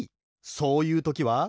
そういうときは。